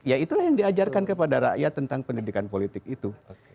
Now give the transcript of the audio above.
ya itulah yang diajarkan kepada rakyat tentang pendidikan politik itu